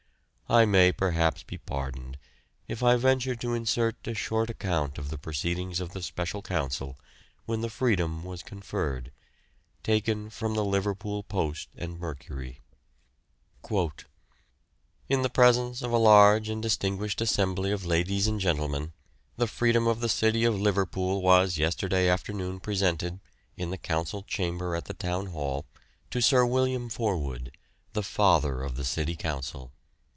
I may perhaps be pardoned if I venture to insert a short account of the proceedings of the Special Council when the Freedom was conferred, taken from the Liverpool Post and Mercury: "In the presence of a large and distinguished assembly of ladies and gentlemen, the freedom of the city of Liverpool was yesterday afternoon presented, in the Council chamber at the Town Hall, to Sir William Forwood, the father of the City Council.